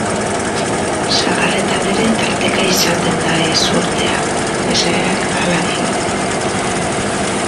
Sagarretan ere tarteka izaten da ezurtea, esaerak hala dio.